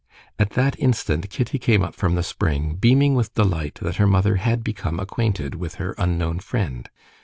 At that instant Kitty came up from the spring beaming with delight that her mother had become acquainted with her unknown friend.